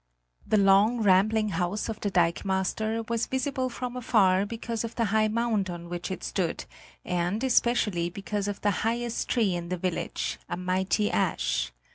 The long rambling house of the dikemaster was visible from afar because of the high mound on which it stood, and especially because of the highest tree in the village, a mighty ash.